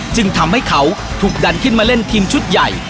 จึงทำให้เขาถูกดันขึ้นมาเล่นทีมชุดใหญ่